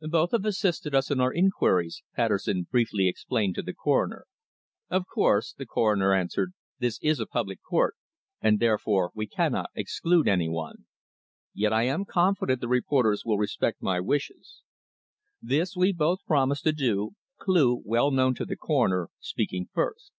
"Both have assisted us in our inquiries," Patterson briefly explained to the Coroner. "Of course," the Coroner answered, "this is a public court, and therefore we cannot exclude any one. Yet I am confident the reporters will respect my wishes." This we both promised to do, Cleugh, well known to the Coroner, speaking first.